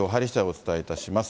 お伝えいたします。